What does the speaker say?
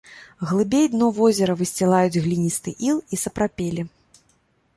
Глыбей дно возера высцілаюць гліністы іл і сапрапелі.